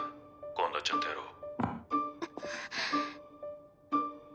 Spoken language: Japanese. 今度はちゃんとやろう。